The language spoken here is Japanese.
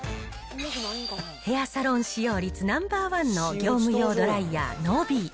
ヘアサロン使用率ナンバー１の業務用ドライヤー、ノビー。